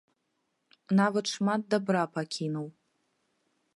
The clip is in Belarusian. Нават шмат дабра пакінуў.